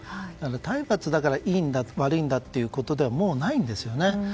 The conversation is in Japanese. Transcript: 体罰だからいいんだ悪いんだということではないんですね。